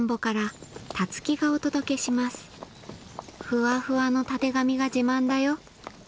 ふわふわのたてがみが自慢だよ